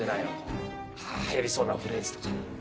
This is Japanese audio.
はやりそうなフレーズとか。